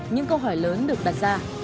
những câu hỏi lớn được đặt ra